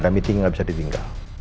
ada meeting yang gak bisa ditinggal